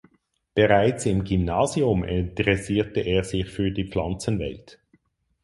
Bereits im Gymnasium interessierte er sich für die Pflanzenwelt.